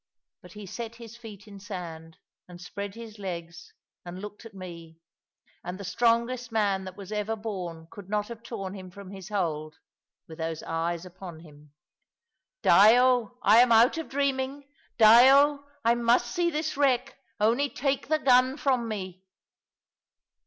But he set his feet in sand, and spread his legs, and looked at me; and the strongest man that was ever born could not have torn him from his hold, with those eyes upon him. "Dyo, I am out of dreaming. Dyo, I must see this wreck; only take the gun from me."